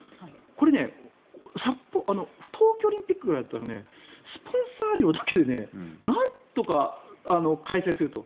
これ冬季オリンピックぐらいだったらスポンサー料だけでなんとか開催すると。